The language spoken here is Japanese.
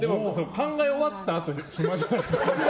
考え終わったあと暇じゃないですか？